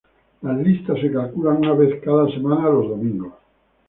Las listas se calculan una vez cada semana los domingos.